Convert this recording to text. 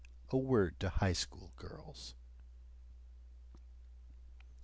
A word to High School girls.